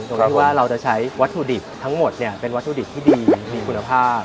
ตรงที่ว่าเราจะใช้วัตถุดิบทั้งหมดเป็นวัตถุดิบที่ดีมีคุณภาพ